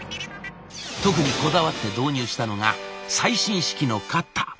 特にこだわって導入したのが最新式のカッター。